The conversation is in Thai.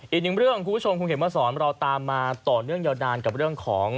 อีกหนึ่งเรื่องคุณผู้ชมคุณเห็นมาสอนเราตามมาต่อเนื่องยาวนานกับเรื่องของ